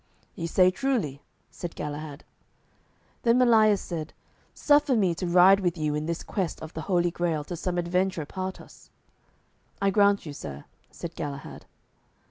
"Ye say truly," said Galahad. Then Melias said, "Suffer me to ride with you in this quest of the Holy Grail till some adventure part us." "I grant you, sir," said Galahad.